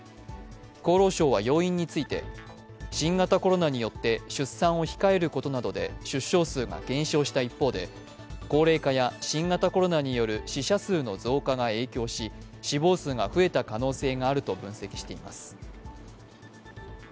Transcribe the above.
厚労省は要因について新型コロナによって出産を控えることなどで出生数が減少した一方で、高齢化や新型コロナによる死者数の増加が影響し死亡数が増えた可能性があると分析しています。